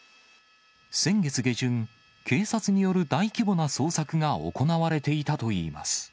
先月下旬、警察による大規模な捜索が行われていたといいます。